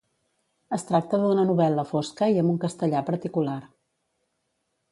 Es tracta d'una novel·la fosca i amb un castellà particular.